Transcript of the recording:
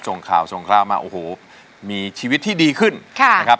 ส่งข่าวส่งคราวมาโอ้โหมีชีวิตที่ดีขึ้นค่ะนะครับ